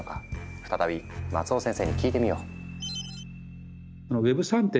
再び松尾先生に聞いてみよう。